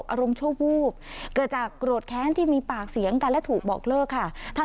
อารมณ์ชั่ววูบเกิดจากโกรธแค้นที่มีปากเสียงกันและถูกบอกเลิกค่ะ